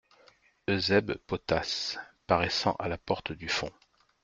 Eusèbe Potasse , paraissant à la porte du fond.